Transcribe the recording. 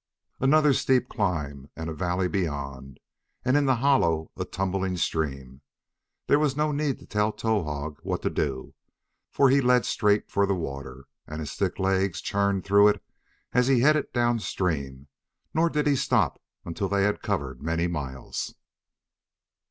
Another steep climb and a valley beyond, and in the hollow a tumbling stream. There was no need to tell Towahg what to do, for he led straight for the water, and his thick legs churned through it as he headed down stream; nor did he stop until they had covered many miles.